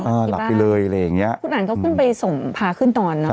หลับที่บ้านหลับไปเลยอะไรอย่างเงี้ยคุณอันก็เพิ่งไปส่งพาขึ้นนอนน่ะ